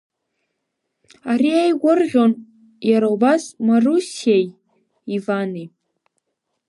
Ари иеигәырӷьон, иара убас, Марусиеи Ивани.